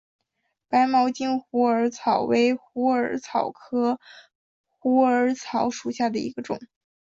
白毛茎虎耳草为虎耳草科虎耳草属下的一个种。